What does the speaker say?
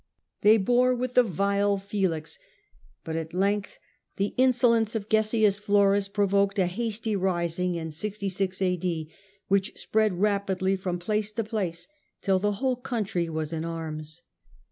They bore with the vile Felix ; but at length the insolence of Gessius Floras provoked a hasty rising, which spread rapidly from place to place, till the whole country was in arms.